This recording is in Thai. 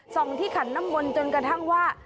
ส่องที่ขันนมนต์จนกระทั่งว่า